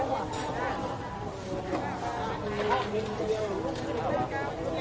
สวัสดีทุกคนสวัสดีทุกคน